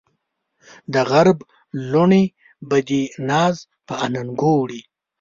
د غرب لوڼې به دې ناز په اننګو وړي